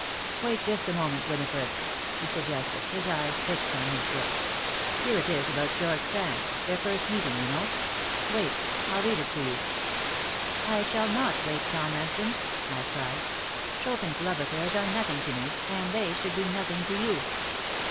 "Wait just a moment, Winifred," he suggested, his eyes fixed on his book. "Here it is about George Sand their first meeting, you know. Wait! I'll read it to you." "I shall not wait, Tom Remsen," I cried. "Chopin's love affairs are nothing to me and they should be nothing to you.